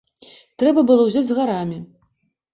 Трэба было ўзяць з гарамі!